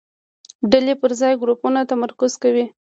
ډلې پر ځای ګروپونو تمرکز کوي.